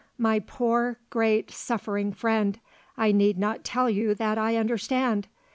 My poor, great, suffering friend, I need not tell you that I understand.